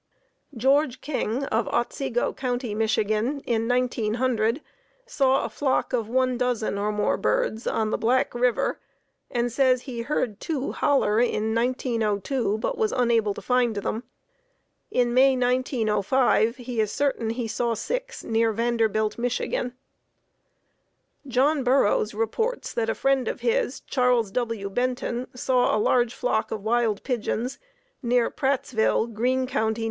George King of Otsego County, Mich., in 1900 saw a flock of one dozen or more birds on the Black River, and he says he heard two "holler" in 1902, but was unable to find them. In May, 1905, he is certain he saw six near Vanderbilt, Mich. John Burroughs reports that a friend of his, Charles W. Benton, saw a large flock of wild pigeons near Prattsville, Greene County, N.